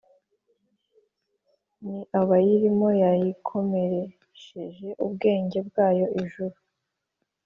n abayirimo yayikomeresheje ubwenge bwayo ijuru